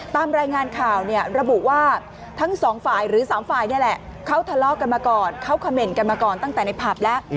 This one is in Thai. ตามรายงานข่าวเนี่ยระบุว่าทั้งสองฝ่ายหรือสามฝ่ายนี่แหละเขาทะเลาะกันมาก่อนเขาเขม่นกันมาก่อนตั้งแต่ในผับแล้ว